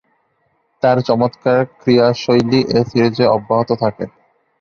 তার চমৎকার ক্রীড়াশৈলী এ সিরিজে অব্যাহত থাকে।